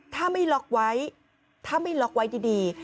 ถ้าไม่ล็อกไว้ถ้าไม่ล็อกไว้ดี